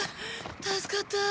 助かった。